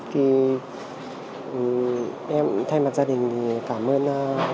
thì em thay mặt gia đình cảm ơn